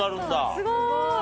すごーい！